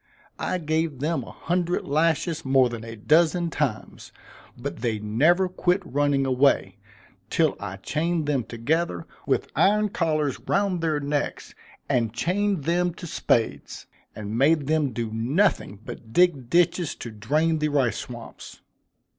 I gave them a hundred lashes more than a dozen times; but they never quit running away, till I chained them together, with iron collars round their necks, and chained them to spades, and made them do nothing but dig ditches to drain the rice swamps.